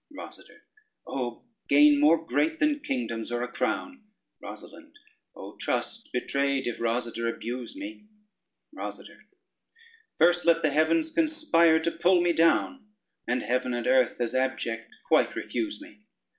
ROSADER Oh, gain more great than kingdoms or a crown! ROSALYNDE Oh, trust betrayed if Rosader abuse me. ROSADER First let the heavens conspire to pull me down And heaven and earth as abject quite refuse me.